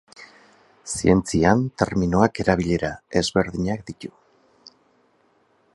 Zientzian, terminoak erabilera ezberdinak ditu.